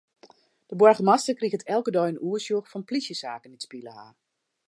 De boargemaster kriget elke dei in oersjoch fan plysjesaken dy't spile ha.